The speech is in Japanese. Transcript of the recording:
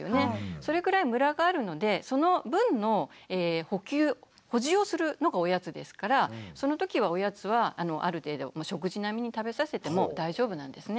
それくらいむらがあるのでその分の補給補充をするのがおやつですからその時はおやつはある程度食事並みに食べさせても大丈夫なんですね。